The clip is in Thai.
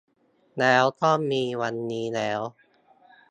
แล้วก็มีวันนี้แล้ว